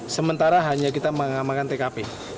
sementara hanya kita mengamankan pkp